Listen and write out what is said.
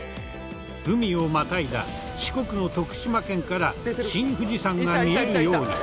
海をまたいだ四国の徳島県から新富士山が見えるように。